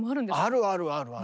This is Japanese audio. あるあるあるある。